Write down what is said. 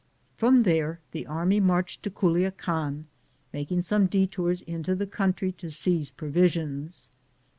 From there the army marched to Guliacan, mak ing some detours into the country to seize provisions.